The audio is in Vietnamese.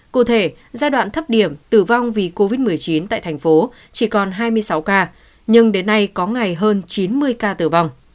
cụ thể giai đoạn thấp điểm tử vong vì covid một mươi chín tại thành phố chỉ còn hai mươi sáu ca nhưng đến nay có ngày hơn chín mươi ca tử vong